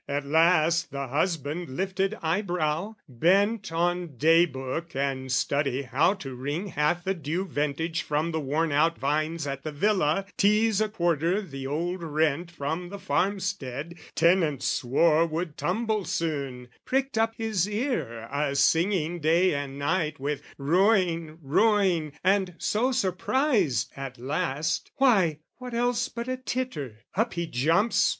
At last the husband lifted eyebrow, bent On day book and the study how to wring Half the due vintage from the worn out vines At the villa, tease a quarter the old rent From the farmstead, tenants swore would tumble soon, Pricked up his ear a singing day and night With "ruin, ruin;" and so surprised at last Why, what else but a titter? Up he jumps.